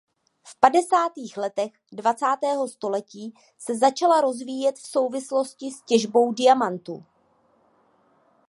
V padesátých letech dvacátého století se začala rozvíjet v souvislosti s těžbou diamantů.